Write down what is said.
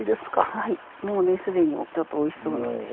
はいもうねすでにちょっとおいしそうなんです。